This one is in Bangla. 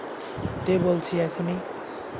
দে বলছি, এক্ষুনি।